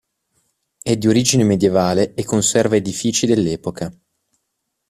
È di origine medievale e conserva edifici dell'epoca.